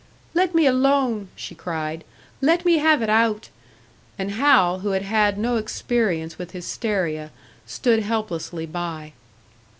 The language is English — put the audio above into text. "Let me alone!" she cried. "Let me have it out!" And Hal, who had had no experience with hysteria, stood helplessly by.